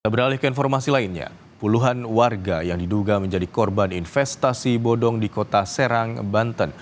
beralih ke informasi lainnya puluhan warga yang diduga menjadi korban investasi bodong di kota serang banten